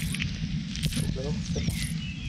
Pour lors, c’est moi !